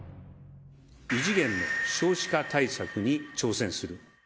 異次元の少子化対策に挑戦する。